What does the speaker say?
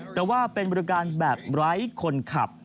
แต่ว่าเป็นบริการแบบไร้คนขับ